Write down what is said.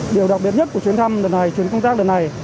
điều đặc biệt nhất của chuyến thăm đợt này chuyến công tác đợt này